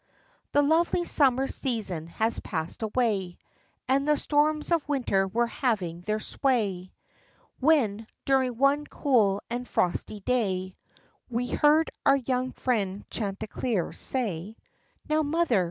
The lovely summer season had passed away, And the storms of winter were having their sway, When, during one cool and frosty day, We heard our young friend Chanticleer say, "Now, mother.